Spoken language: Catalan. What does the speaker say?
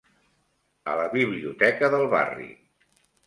A la biblioteca del barri.